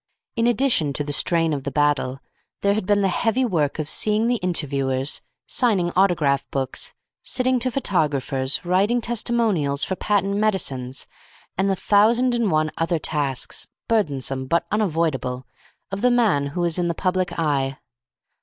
In addition to the strain of the battle, there had been the heavy work of seeing the interviewers, signing autograph books, sitting to photographers, writing testimonials for patent medicines, and the thousand and one other tasks, burdensome but unavoidable, of the man who is in the public eye.